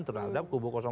terhadap kubu satu